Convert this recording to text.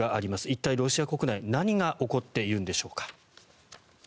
一体、ロシア国内何が起こっているんでしょうか。